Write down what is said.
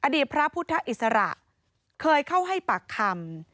อดีตพระพุทธอิสระเคยเข้าให้ปากคำ